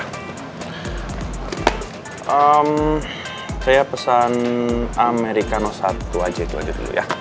hmm saya pesan amerika satu aja itu aja dulu ya